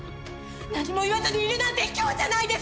何も言わずにいるなんてひきょうじゃないですか！